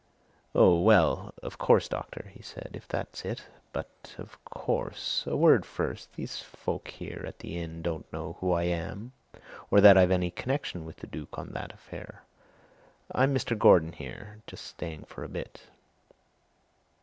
"Oh, well, of course, doctor," he said, "if that's it but, of course a word first! these folk here at the inn don't know who I am or that I've any connection with the Duke on that affair. I'm Mr. Gordon here just staying for a bit."